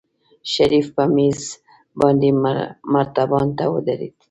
شريف په مېز باندې مرتبان ته ودرېد.